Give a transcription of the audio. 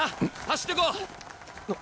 走ってこう！